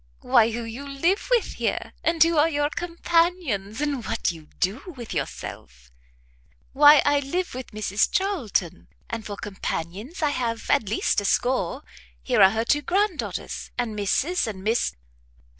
"Why, who you live with here, and who are your companions, and what you do with yourself." "Why, I live with Mrs Charlton; and for companions, I have at least a score; here are her two grand daughters, and Mrs and Miss